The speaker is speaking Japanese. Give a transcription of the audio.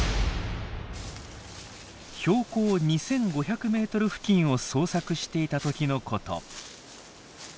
標高２，５００ｍ付近を探索していた時のこと。